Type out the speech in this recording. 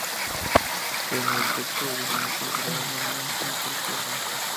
Pero el texto original conservado no menciona tal cosa.